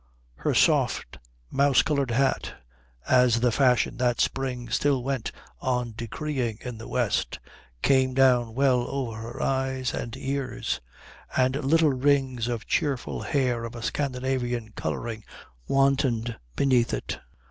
Her soft mouse colour hat, as the fashion that spring still went on decreeing in the west, came down well over her eyes and ears, and little rings of cheerful hair of a Scandinavian colouring wantoned beneath it.